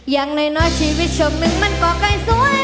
อย่างน้อยน้อยชีวิตชมนึงมันก็กลายสวย